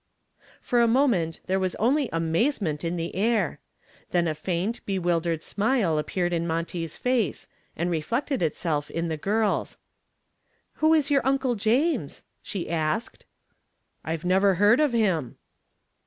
For a moment there was only amazement in the air. Then a faint, bewildered smile appeared in Monty's face, and reflected itself in the girl's. "Who is your Uncle James?" she asked. "I've never heard of him."